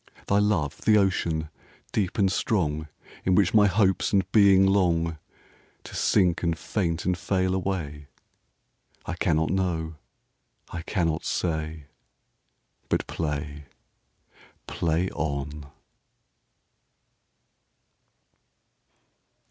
Thy love the ocean, deep and strong, In which my hopes and being longTo sink and faint and fail away?I cannot know. I cannot say. But play, play on.